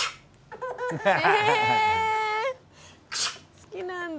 好きなんだ。